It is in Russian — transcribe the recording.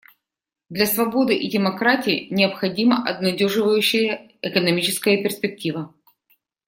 Для свободы и демократии необходима обнадеживающая экономическая перспектива.